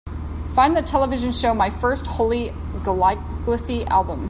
Find the television show My First Holly Golightly Album